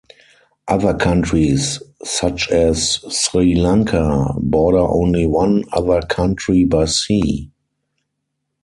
Other countries, such as Sri Lanka, border only one other country by sea.